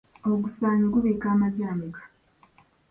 Ogusaanyi gubiika amagi ameka?